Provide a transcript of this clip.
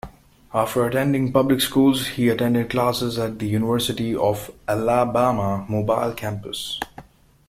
After attending public schools, he attended classes at the University of Alabama, Mobile campus.